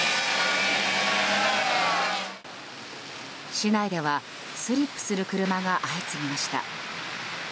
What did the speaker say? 市内ではスリップする車が相次ぎました。